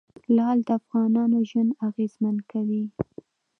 لعل د افغانانو ژوند اغېزمن کوي.